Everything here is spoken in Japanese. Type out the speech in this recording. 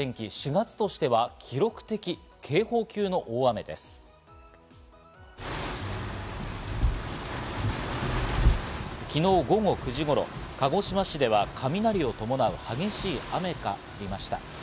４月としては昨日午後９時頃、鹿児島市では雷を伴う激しい雨が降りました。